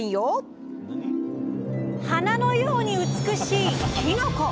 花のように美しいきのこ。